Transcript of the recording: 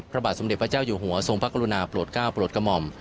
พระบาทสมเด็จพระเจ้าอยู่หัวทรงพระกรุณาโปรดก้าวโปรดกระหม่อม